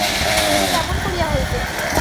সে কেমন করিয়া হইবে?